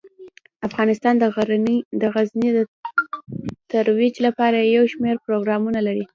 افغانستان د غزني د ترویج لپاره یو شمیر پروګرامونه لري.